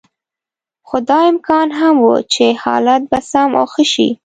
خو دا امکان هم و چې حالات به سم او ښه شي.